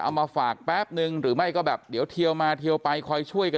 มาฝากแป๊บนึงหรือไม่ก็แบบเดี๋ยวเทียวมาเทียวไปคอยช่วยกัน